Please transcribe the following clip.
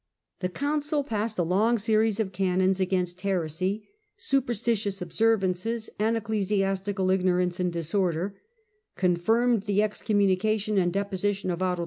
The Council passed a long series of canons against heresy, superstitious ob servances, and ecclesiastical ignorance and disorder, con firmed the excommunication and deposition of Otto IV.